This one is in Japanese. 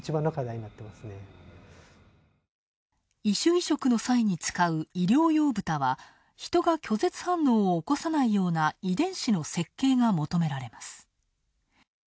異種移植の際に使う医療用ブタは人が拒絶反応を起こさないような遺伝子の設計が求められます。